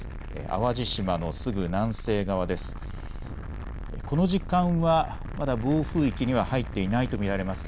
淡路島のすぐ南西側です。